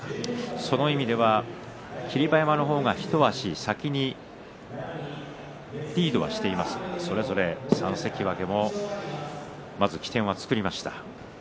そういう意味では霧馬山の方が一足先にリードはしていますがそれぞれ３関脇もまず起点は作りました。